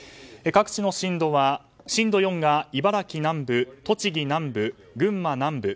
各地の震度は震度４が茨城県南部栃木南部、群馬南部。